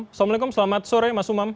assalamualaikum selamat sore mas umam